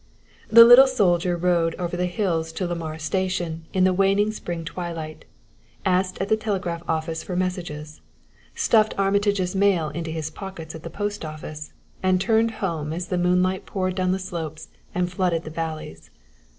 The little soldier rode over the hills to Lamar Station in the waning spring twilight, asked at the telegraph office for messages, stuffed Armitage's mail into his pockets at the post office, and turned home as the moonlight poured down the slopes and flooded the valleys.